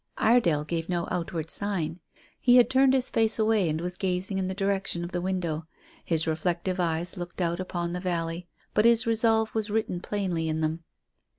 Iredale gave no outward sign. He had turned his face away and was gazing in the direction of the window. His reflective eyes looked out upon the valley, but his resolve was written plainly in them.